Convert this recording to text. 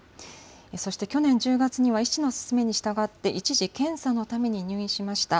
そして去年１０月には、医師の勧めに従って、一時、検査のために入院しました。